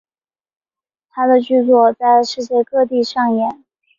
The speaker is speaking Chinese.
他的剧作在世界各地上演。